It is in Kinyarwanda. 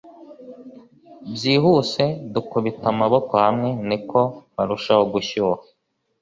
byihuse dukubita amaboko hamwe, niko barushaho gushyuha